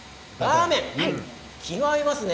気が合いますね。